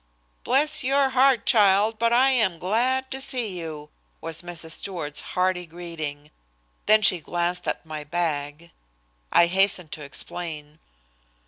"Bless your heart, child, but I am glad to see you!" was Mrs. Stewart's hearty greeting. Then she glanced at my bag. I hastened to explain.